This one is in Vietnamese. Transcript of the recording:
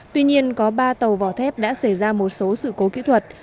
tuy nhiên có ba tàu vỏ thép đã xảy ra một số sự cố kỹ thuật